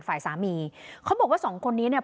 ฝ่ายสามีเขาบอกว่าสองคนนี้เนี่ย